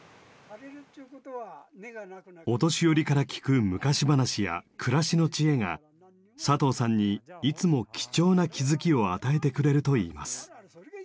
お年寄りから聞く昔話や暮らしの知恵が佐藤さんにいつも貴重な「気付き」を与えてくれるといいます。